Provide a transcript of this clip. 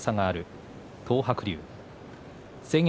東白龍です。